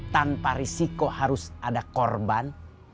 tanpa risiko harus ada korban